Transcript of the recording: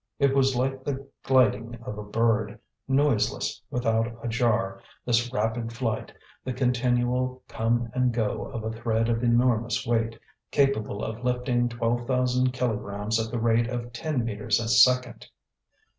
It was like the gliding of a bird, noiseless, without a jar, this rapid flight, the continual come and go of a thread of enormous weight, capable of lifting twelve thousand kilograms at the rate of ten metres a second.